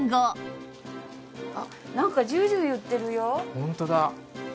ホントだ。